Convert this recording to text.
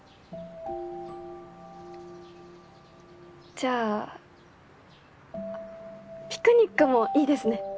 じゃああっピクニックもいいですね。